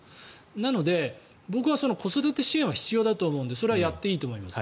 なので、僕は子育て支援は必要だと思うのでそれはやっていいと思います。